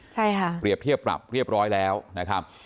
ใช่ค่ะเปรียบเรียบร้อยแล้วนะครับ